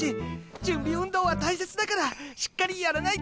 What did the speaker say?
準備運動は大切だからしっかりやらないと。